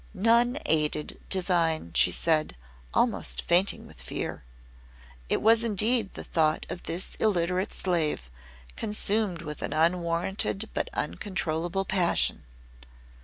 "None aided, Divine," said she, almost fainting with fear. "It was indeed the thought of this illiterate slave, consumed with an unwarranted but uncontrollable passion."